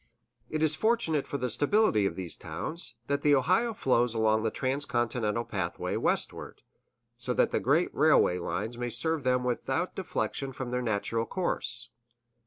It is fortunate for the stability of these towns, that the Ohio flows along the transcontinental pathway westward, so that the great railway lines may serve them without deflection from their natural course.